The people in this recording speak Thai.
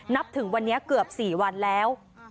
ถึงวันนี้เกือบ๔วันแล้ว